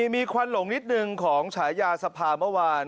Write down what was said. มีควันหลงนิดหนึ่งของฉายาสภาเมื่อวาน